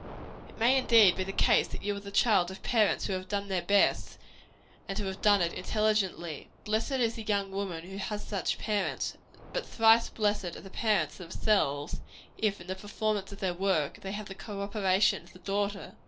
It may, indeed, be the case, that you are the child of parents who have done their best, and who have done it intelligently. Blessed is the young woman who has such parents, but thrice blessed are the parents themselves, if, in the performance of their work, they have the co operation of the daughter.